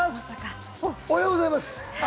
おはようございます！